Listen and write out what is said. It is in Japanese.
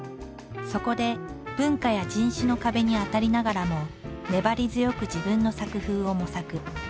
そこで文化や人種の壁に当たりながらも粘り強く自分の作風を模索。